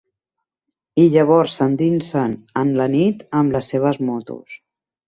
I llavors s'endinsen en la nit amb les seves motos.